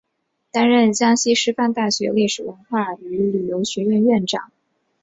担任江西师范大学历史文化与旅游学院院长。